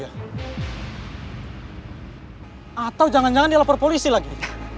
atau jangan jangan dia lapor polisi lagi